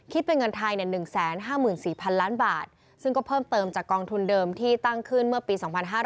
เป็นเงินไทย๑๕๔๐๐๐ล้านบาทซึ่งก็เพิ่มเติมจากกองทุนเดิมที่ตั้งขึ้นเมื่อปี๒๕๕๙